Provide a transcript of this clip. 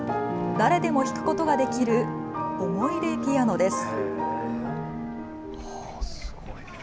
誰でも弾くことができるおもいでピアノです。